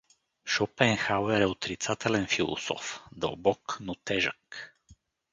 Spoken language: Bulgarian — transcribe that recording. Шопенхауер е отрицателен философ, дълбок, но тежък.